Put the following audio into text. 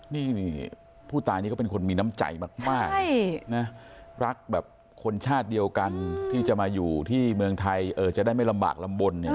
นี่ผู้ตายนี่เขาเป็นคนมีน้ำใจมากรักแบบคนชาติเดียวกันที่จะมาอยู่ที่เมืองไทยจะได้ไม่ลำบากลำบลเนี่ย